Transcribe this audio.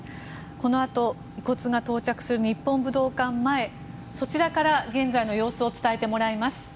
このあと遺骨が到着する日本武道館前そちらから現在の様子を伝えてもらいます。